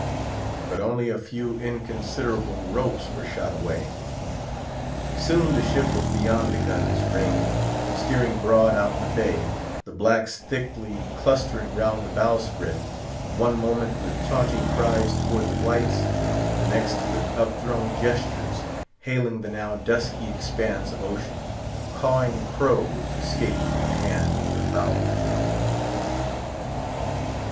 But only a few inconsiderable ropes were shot away. Soon the ship was beyond the gun's range, steering broad out of the bay; the blacks thickly clustering round the bowsprit, one moment with taunting cries towards the whites, the next with upthrown gestures hailing the now dusky moors of ocean—cawing crows escaped from the hand of the fowler.